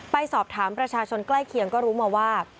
ไปสอบถามประชาชนใกล้เคียงก็รู้มาว่า